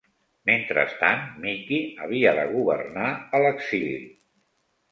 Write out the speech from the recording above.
Mentrestant, Mickie havia de governar a l'exili.